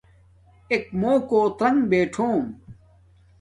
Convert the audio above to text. ایک مُوکو ترنگ بِٹھوم